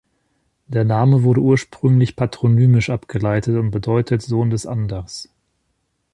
Der Name wurde ursprünglich patronymisch abgeleitet und bedeutet "Sohn des Anders".